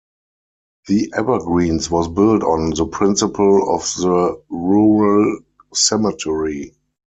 The Evergreens was built on the principle of the rural cemetery.